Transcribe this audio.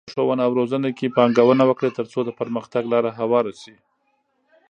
په ښوونه او روزنه کې پانګونه وکړئ، ترڅو د پرمختګ لاره هواره شي.